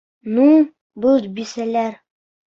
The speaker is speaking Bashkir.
Ну, был бисәләр!